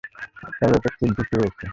তবে এতে খুব ঝুঁকি রয়েছে।